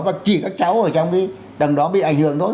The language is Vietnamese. và chỉ các cháu ở trong cái tầng đó bị ảnh hưởng thôi